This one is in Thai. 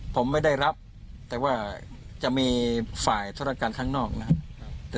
ผมไม่ได้รับแต่ว่าจะมีฝ่ายธุรการข้างนอกนะครับ